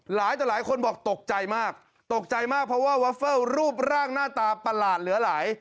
หลายคนบอกตกใจมากตกใจมากเพราะว่าวอเฟิลรูปร่างหน้าตาประหลาดเหลือหลาย